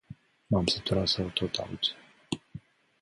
M-am săturat să o tot aud.